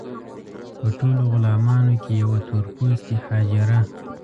په ټولو غلامانو کې یوه تور پوستې حاجره.